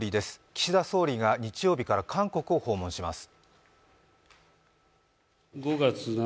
岸田総理が日曜日から韓国を訪問します。